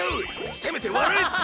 せめて笑えって！